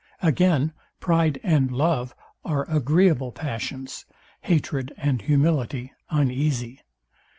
Again, pride and love are agreeable passions; hatred and humility uneasy.